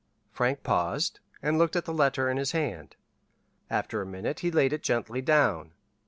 Frank paused, and looked at the letter in his hand. After a minute he laid it gently down.